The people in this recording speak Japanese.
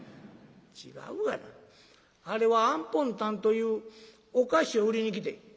あれはあんぽんたんというお菓子を売りに来てん」。